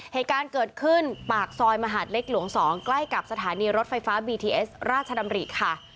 เหตุการณ์เกิดขึ้นปากซอยมหาดเล็กหลวง๒ใกล้กับสถานีรถไฟฟ้าบีทีเอสราชดำริค่ะ